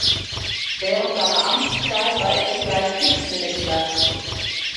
Während seiner Amtszeit war er zugleich Kriegsminister.